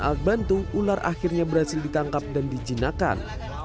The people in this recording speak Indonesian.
alkbantu ular akhirnya berhasil ditangkap dan dijinakan